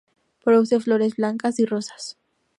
Produce flores blancas y rosas.